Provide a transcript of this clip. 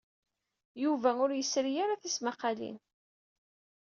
Yuba ur yesri ara tismaqqalin.